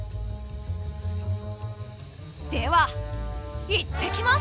では行ってきます！